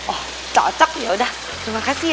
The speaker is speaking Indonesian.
oh cocok yaudah terima kasih ya